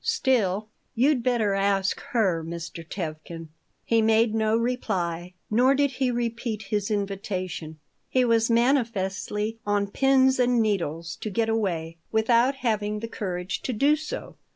"Still " "You'd better ask her, Mr. Tevkin." He made no reply, nor did he repeat his invitation. He was manifestly on pins and needles to get away, without having the courage to do so.